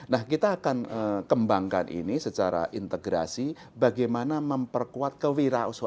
nah kita akan kembangkan ini secara integrasi bagaimana memperkuat kewirausahaan